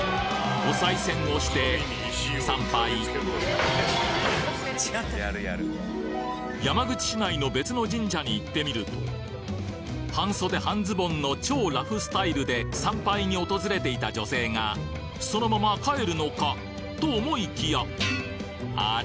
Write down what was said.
お賽銭をして参拝山口市内の別の神社に行ってみると半袖半ズボンの超ラフスタイルで参拝に訪れていた女性がそのまま帰るのかと思いきやあれ？